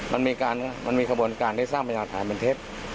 มันมีการมันมีกระบวนการได้สร้างปัญหาฐานเป็นเท็จ